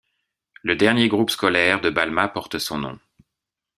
Le dernier groupe scolaire de Balma porte son nom.